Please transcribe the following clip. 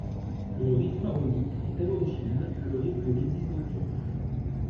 Le rite maronite est à l'origine le rite de l'Église d'Antioche.